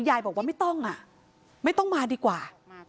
ยายบอกว่าไม่ต้องอ่ะไม่ต้องมาดีกว่า